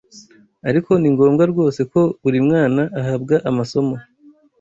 ariko ni ngombwa rwose ko buri mwana ahabwa amasomo